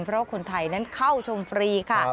เพราะคนไทยนั้นเข้าชมฟรีค่ะ